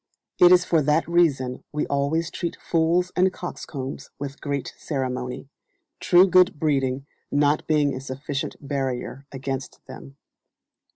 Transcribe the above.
It is for that reason we always treat fools and coxcombs with great ceremony, true good breeding not being a sufficient barrier against them.